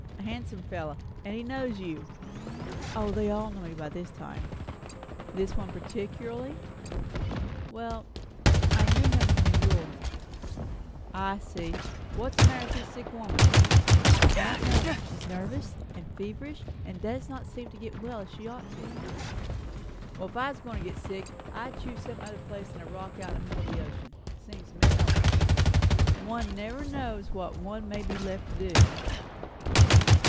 A handsome fellow. And he knows you." "O, they all know me by this time." "This one particularly?" "Well I knew him in New York." "I see! What's the matter with this sick woman?" "I don't know. She is nervous, and feverish, and does not seem to get well as she ought to do." "Well, if I was going to get sick, I'd choose some other place than a rock out in the middle of the ocean. Seems to me I would. One never knows what one may be left to do."